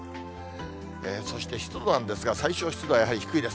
そして、湿度なんですが、最小湿度はやはり低いです。